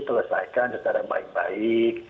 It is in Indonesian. selesaikan secara baik baik